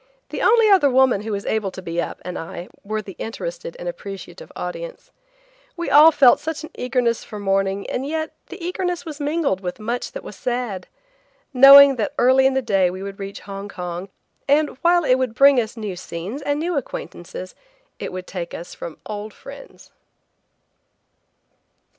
The only other woman who was able to be up and I were the interested and appreciative audience. We all felt an eagerness for morning and yet the eagerness was mingled with much that was sad. Knowing that early in the day we would reach Hong Kong, and while it would bring us new scenes and new acquaintances, it would take us from old friends.